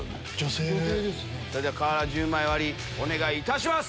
それでは瓦１０枚割りお願いいたします。